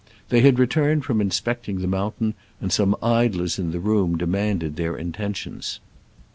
They had returned from inspecting the mountain, and some idlers in the room demanded their in tentions.